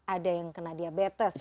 ada yang kena diabetes